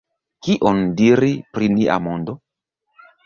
Kion diri pri nia mondo?